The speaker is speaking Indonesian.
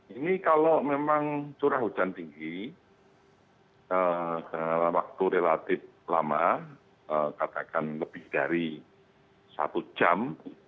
ini kalau memang curah hujan tinggi dalam waktu relatif lama katakan lebih dari satu jam